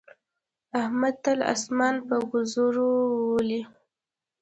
احمد تل اسمان په ګوزو ولي.